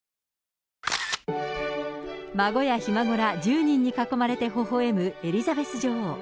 孫やひ孫ら１０人に囲まれてほほえむエリザベス女王。